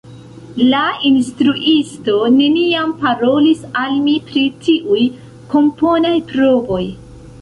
La instruisto neniam parolis al mi pri tiuj komponaj provoj.